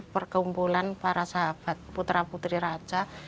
perkumpulan para sahabat putra putri raja